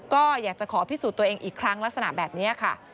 ก็อยากจะขอพิสูจน์ตัวเองอีกครั้งลักษณะแบบนี้ค่ะ